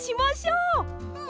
うん！